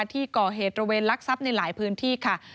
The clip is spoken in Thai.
ที่ก่อเหตุตระเวนลักทรัพย์ในหลายพื้นที่ค่ะ